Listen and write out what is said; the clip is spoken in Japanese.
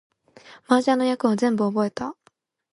麻雀の役を全部覚えた